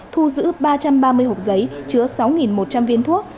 thu giữ ba trăm ba mươi hộp giấy chứa sáu một trăm linh viên thuốc